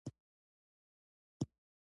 په پارک کې ډیري وني دي